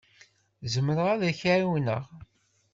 Zemreɣ ad k-ɛawneɣ?